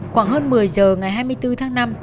khoảng hơn một mươi giờ ngày hai mươi bốn tháng năm